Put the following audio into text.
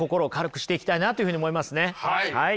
はい。